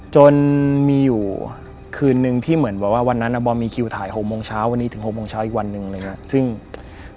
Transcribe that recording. จนมีอยู่คืนนึงที่เหมือนว่าวันนั้นบอมมีคิวถ่าย๖โมงเช้าวันนี้ถึง๖โมงเช้าอีกวันนึงเนี่ย